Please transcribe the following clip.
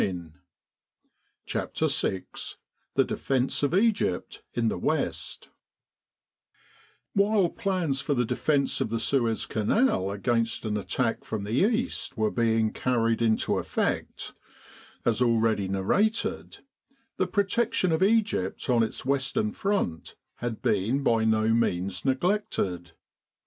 100 CHAPTER VI THE DEFENCE OF EGYPT ON THE WEST WHILE plans for the defence of the Suez Canal against an attack from the east were being carried into effect, as already narrated, the protection of Egypt on its western front had been by no means neglected.